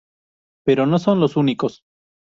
Pero no son los únicos.